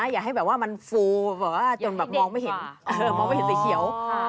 อย่าให้มันฟูจนมองไม่เห็นสีเขียว